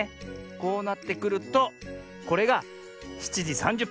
こうなってくるとこれが７じ３０ぷん。